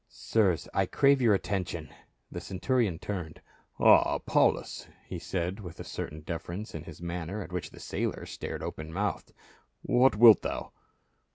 "Sirs, I crave your attention." The centurion turned, "Ah, Paulus," he said with a certain deference in his manner at which the sailor stared open mouthed ;" what wilt thou